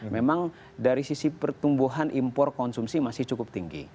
memang dari sisi pertumbuhan impor konsumsi masih cukup tinggi